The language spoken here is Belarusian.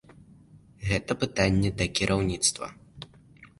Гэта пытанне да кіраўніцтва.